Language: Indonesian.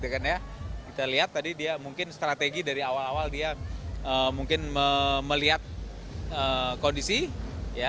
kita lihat tadi dia mungkin strategi dari awal awal dia mungkin melihat kondisi ya